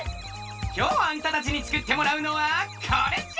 きょうあんたたちにつくってもらうのはこれじゃ！